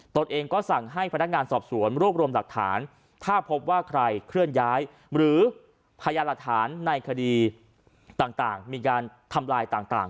ตนเองก็สั่งให้พนักงานสอบสวนรวบรวมหลักฐานถ้าพบว่าใครเคลื่อนย้ายหรือพยานหลักฐานในคดีต่างมีการทำลายต่าง